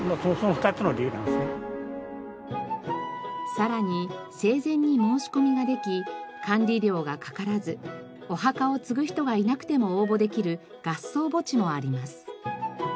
さらに生前に申し込みができ管理料がかからずお墓を継ぐ人がいなくても応募できる合葬墓地もあります。